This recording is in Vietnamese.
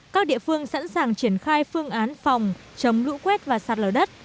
các địa phương sẵn sàng triển khai phương án phòng chống lũ quét và sạt lở đất